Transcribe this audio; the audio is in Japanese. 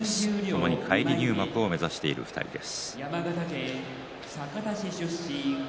大奄美は３勝４敗ともに返り入幕を目指している２人です。